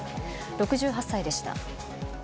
６８歳でした。